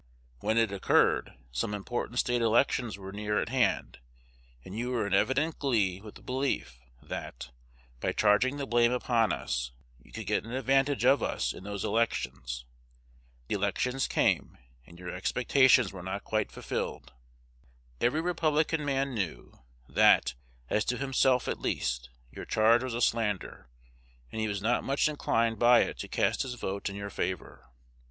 When it occurred, some important State elections were near at hand; and you were in evident glee with the belief, that, by charging the blame upon us, you could get an advantage of us in those elections. The elections came; and your expectations were not quite fulfilled. Every Republican man knew, that, as to himself at least, your charge was a slander, and he was not much inclined by it to cast his vote in your favor.